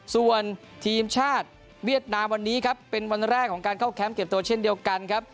ส่วนทีมชาติเวียดนามวันนี้ครับเป็นวันแรกของการเข้าแคมป์เก็บตัวเช่นเดียวกันครับ